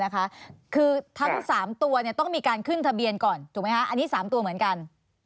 คือทั้ง๓ตัวต้องมีการขึ้นทะเบียนก่อนถูกไหมคะอันนี้๓ตัวเหมือนกัน